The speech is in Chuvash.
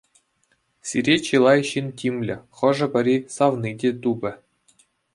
Сире чылай ҫын тимлӗ, хӑшӗ-пӗри савни те тупӗ.